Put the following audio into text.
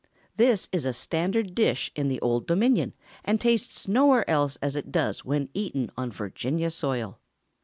This is a standard dish in the Old Dominion, and tastes nowhere else as it does when eaten on Virginia soil.